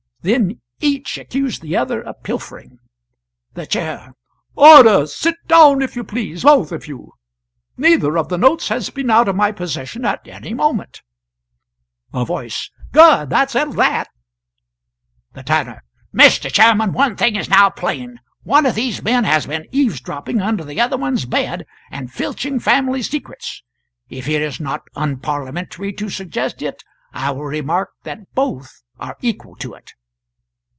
Then each accused the other of pilfering. The Chair. "Order! Sit down, if you please both of you. Neither of the notes has been out of my possession at any moment." A Voice. "Good that settles that!" The Tanner. "Mr. Chairman, one thing is now plain: one of these men has been eavesdropping under the other one's bed, and filching family secrets. If it is not unparliamentary to suggest it, I will remark that both are equal to it.